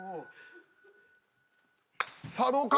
さあどうか？